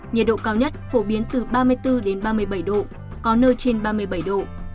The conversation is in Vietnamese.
nhiệt độ cao nhất phổ biến từ ba mươi bốn ba mươi bảy độ có nơi trên ba mươi bảy độ